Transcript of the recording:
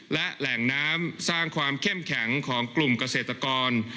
และแหล่งน้ำสร้างความเข้มแข็งของกลุ่มเกษตรกร